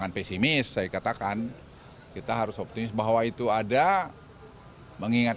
dan tetapi yang menuruthadz mau saya ke penjuru lalu saya tersenyum di parody kecuali dua tiga tahun